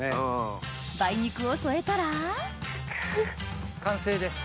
梅肉を添えたら完成です。